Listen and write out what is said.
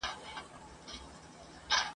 ټول د نورو له عیبونو پړسېدلی ..